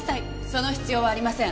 その必要はありません。